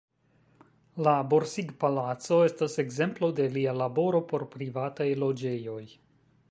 La Borsig-palaco estas ekzemplo de lia laboro por privataj loĝejoj.